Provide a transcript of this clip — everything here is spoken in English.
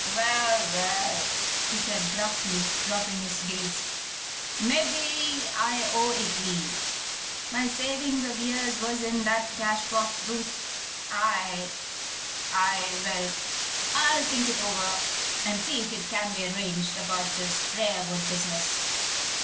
"Well, well!" he said, gruffly, dropping his gaze. "Mebbe I owe it ye. My savin's of years was in that cash box, Ruth. I I Well, I'll think it over and see if it can be arranged about this Briarwood business.